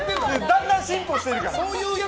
だんだん進歩してるから。